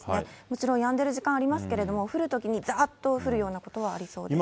もちろんやんでる時間ありますけれども、降るときにざーっと降るようなことはありそうです。